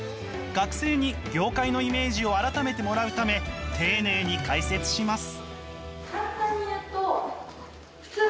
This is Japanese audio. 学生に業界のイメージを改めてもらうため丁寧に解説します。